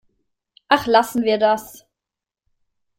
Ach, lassen wir das!